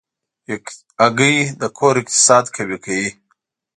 هګۍ د کور اقتصاد قوي کوي.